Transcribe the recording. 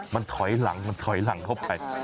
มันถอยหลังเข้าไป